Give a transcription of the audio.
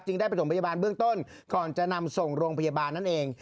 ได้ประถมพยาบาลเบื้องต้นก่อนจะนำส่งโรงพยาบาลนั่นเอง